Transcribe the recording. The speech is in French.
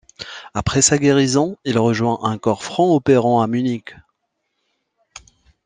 Après sa guérison, il rejoint un Corps franc opérant à Munich.